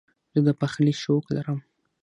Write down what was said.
زه د پخلي شوق لرم.